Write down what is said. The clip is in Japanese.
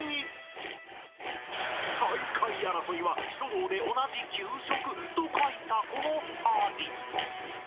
［最下位争いは書道で同じ「給食」と書いたこの２人］